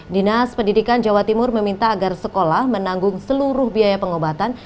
dinas pendidikan jawa timur meminta agar sekolah menanggung seluruh biaya pengobatan